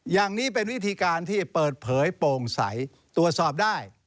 อย่างนี้เป็นวิธีการที่เปิดเผยโปร่งใสตรวจสอบได้